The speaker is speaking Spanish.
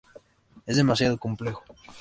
Es demasiado complejo.